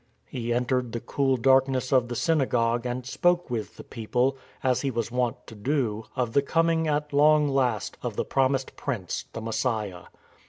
He entered the cool dark ness of the synagogue and spoke with the people, as he was wont to do, of the coming, at long last, of the promised Prince, the Messiah.